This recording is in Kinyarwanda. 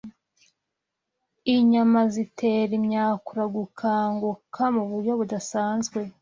Inyama zitera imyakura gukanguka mu buryo budasanzwe